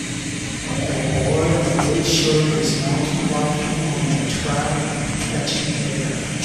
A boy in a blue shirt is mountain biking on a track and catching air